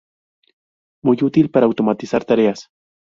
Muy útil para automatizar tareas.